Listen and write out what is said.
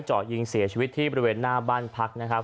เจาะยิงเสียชีวิตที่บริเวณหน้าบ้านพักนะครับ